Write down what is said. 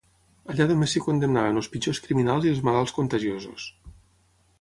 Allà només s'hi condemnaven els pitjors criminals i els malalts contagiosos.